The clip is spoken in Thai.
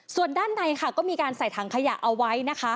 ส่วนด้านในค่ะก็มีการใส่ถังขยะเอาไว้นะคะ